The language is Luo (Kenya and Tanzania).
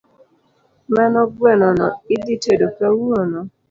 Mano guenono idhi tedi kawuono